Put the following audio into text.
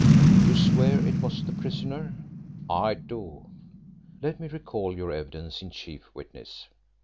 "You swear it was the prisoner?" "I do." "Let me recall your evidence in chief, witness.